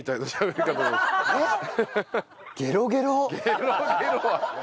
「ゲロゲロ」は。